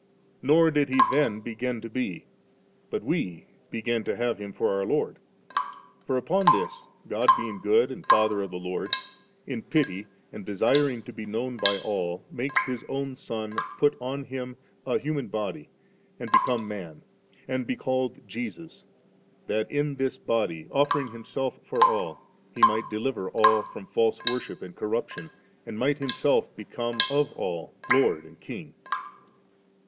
Nor did He then begin to be, but we began to have Him for our Lord For upon this, God being good and Father of the Lord, in pity, and desiring to be known by all, makes His own Son put on Him a human body and become man, and be called Jesus, that in this body offering Himself for all. He might deliver all from &lse worship and corruption, and might Himself become of all Lord and King.